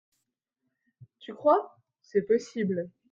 Tu crois ? c’est possible !